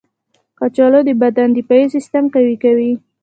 کچالو د بدن دفاعي سیستم قوي کوي.